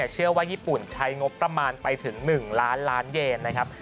เชื่อว่าญี่ปุ่นใช้งบประมาณไปถึง๑ล้านล้านเยนนะครับ